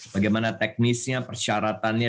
bagaimana teknisnya persyaratannya